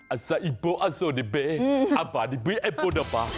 อัสอิบโบอัสโอดิเบอับปาดิบิอับปูดาปา